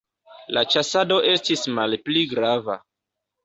La ĉasado estis malpli grava.